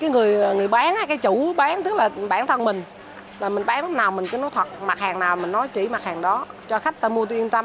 người bán hay chủ bán tức là bán thân mình mình bán lúc nào mình cứ nói thật mặt hàng nào mình nói chỉ mặt hàng đó cho khách ta mua tôi yên tâm